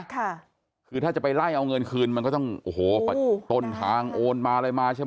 ค่ะคือถ้าจะไปไล่เอาเงินคืนมันก็ต้องโอ้โหต้นทางโอนมาอะไรมาใช่ไหม